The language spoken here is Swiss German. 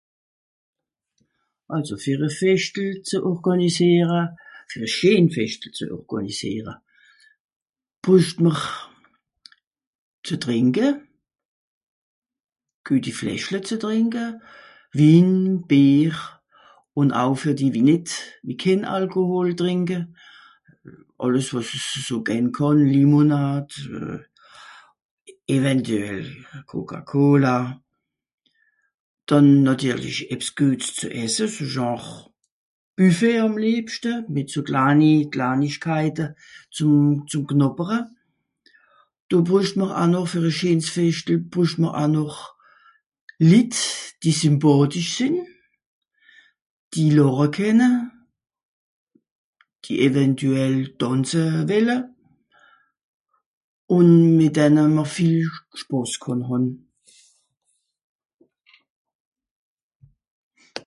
Àlso fer e Feschtel ze orgànisìere, fer e scheen Feschtel ze orgànisìere brücht mr ze trìnke. Güeti Fläschle ze trìnke, Win, Bìer, ùn au fer die wie nìt... wie kén Alkohol trìnke. Àlles wàs es so gänn kànn, Limonade, eventüell Coca-Cola. Dànn nàtirlisch ebbs güets ze esse, s'ìsch genre Büffet àm liebschte mìt so kani Klanischkeite zù... zù (...). Do brücht mr aa noch fer e scheens Feschtel brücht mr aa noch Litt wie sympàtisch sìnn, die làche kenne, die eventüel tànze wìlle, ùn mìt dene mr viel Spàs kànn hàn.